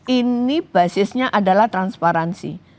ini basisnya adalah transparansi